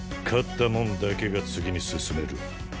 勝ったもんだけが次に進める。